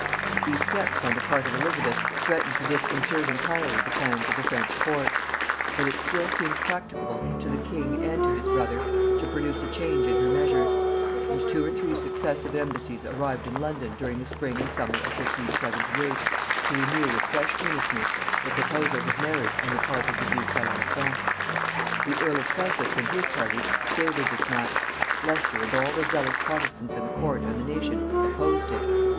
] These steps on the part of Elizabeth threatened to disconcert entirely the plans of the French court; but it still seemed practicable, to the king and to his brother, to produce a change in her measures; and two or three successive embassies arrived in London during the spring and summer of 1578, to renew with fresh earnestness the proposals of marriage on the part of the duke d'Alençon. The earl of Sussex and his party favored this match, Leicester and all the zealous protestants in the court and the nation opposed it.